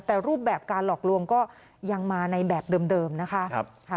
แต่รูปแบบการหลอกลวงก็ยังมาในแบบเดิมนะคะ